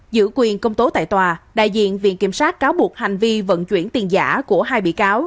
giữ quyền công tố tại tòa đại diện viện kiểm sát cáo buộc hành vi vận chuyển tiền giả của hai bị cáo